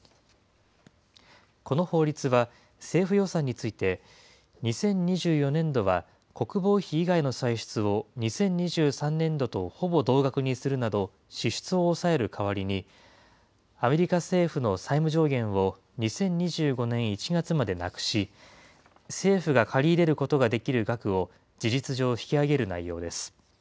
この法律は、政府予算について、２０２４年度は国防費以外の歳出を２０２３年度とほぼ同額にするなど、支出を抑える代わりに、アメリカ政府の債務上限を２０２５年１月までなくし、政府が借り入れることができる額を事実上引き上げる内容です。